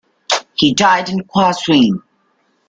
He died in Qazwin.